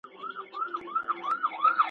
تر قیامته به یې خپل وهل په زړه وي..